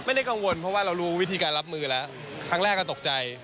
ไม่ได้กังวลเพราะว่าเรารู้วิธีการรับมือแล้วครั้งแรกก็ตกใจ